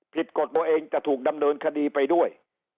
กฎตัวเองจะถูกดำเนินคดีไปด้วย